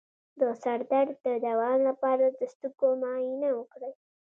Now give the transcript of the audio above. د سر درد د دوام لپاره د سترګو معاینه وکړئ